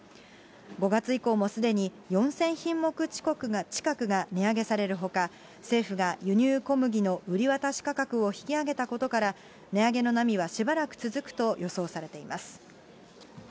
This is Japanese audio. ５月以降もすでに４０００品目近くが値上げされるほか、政府が輸入小麦の売り渡し価格を引き上げたことから、値上げの波はしばらく続くと予想されています。